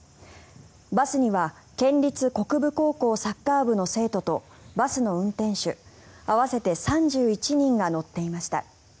バスには県立国分高校サッカー部の生徒とバスの運転手合わせて３１人が乗っていました。